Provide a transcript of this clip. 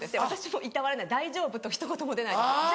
私もいたわれない「大丈夫？」とひと言も出ないです。